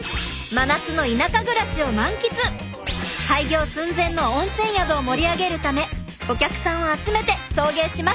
廃業寸前の温泉宿を盛り上げるためお客さんを集めて送迎します！